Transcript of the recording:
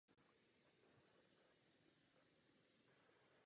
Ve své době se proslavil obrazem "Bouře v Praze po stětí Jana Želivského".